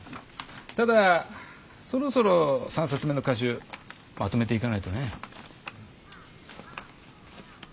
ただそろそろ３冊目の歌集まとめていかないとね。